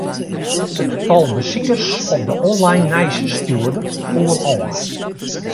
It tal besikers op de online nijsstjoerder foel ôf.